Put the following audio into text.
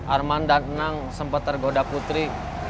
arman dan nang sempat tergoda putri